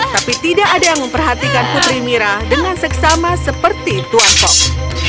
tapi tidak ada yang memperhatikan putri mira dengan seksama seperti tuan fox